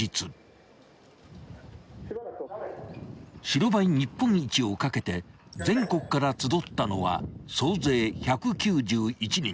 ［白バイ日本一をかけて全国から集ったのは総勢１９１人］